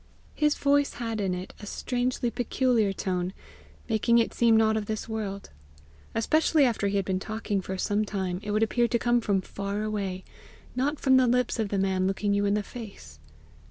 His voice had in it a strangely peculiar tone, making it seem not of this world. Especially after he had been talking for some time, it would appear to come from far away, not from the lips of the man looking you in the face.